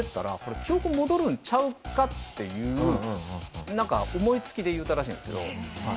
記憶戻るんちゃうか？っていうなんか思いつきで言うたらしいんですけど。